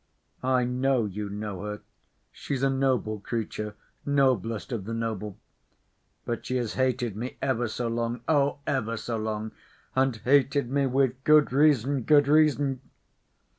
"I know you know her. She's a noble creature, noblest of the noble. But she has hated me ever so long, oh, ever so long ... and hated me with good reason, good reason!"